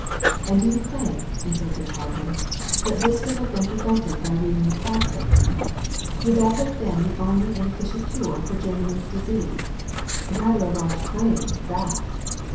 ''And do you claim," interrupted Hardman, 194 A CLASSIC INSTANCE "that this would have been prevented by reading the dassies? Would that have been the only and efficient cure for Germany's disease? Rather a large claim, that